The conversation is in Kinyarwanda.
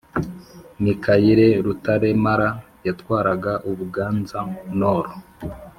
Mikayire Rutaremara yatwaraga Ubuganza-Nord.